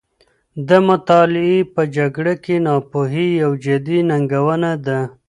د مطالعې په جګړه کې، ناپوهي یوه جدي ننګونه ده.